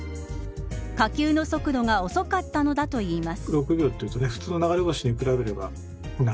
火球の速度が遅かったのだといいます。